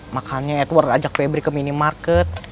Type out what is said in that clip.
makanya edward ajak fabri ke minimarket